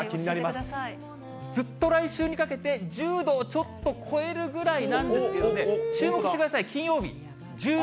ずっと来週にかけて、１０度をちょっと超えるぐらいなんですけれども、注目してくださ